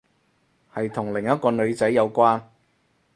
係同另一個女仔有關